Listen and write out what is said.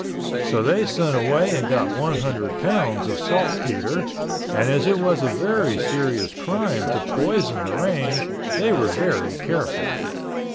So they sent away and got one hundred pounds of saltpeter and as it was a very serious crime to poison the range, they were very careful.